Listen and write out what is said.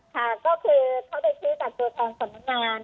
ค่ะก็คือเขาได้ซื้อจากตัวแทนสำนักงาน